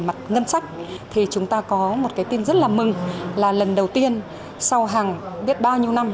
mặt ngân sách thì chúng ta có một cái tin rất là mừng là lần đầu tiên sau hàng biết bao nhiêu năm